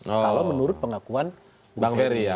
kalau menurut pengakuan bung ferry ya